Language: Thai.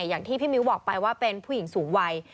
อย่างที่พี่มิ้วบอกไปว่าเป็นผู้หญิงสูงวัย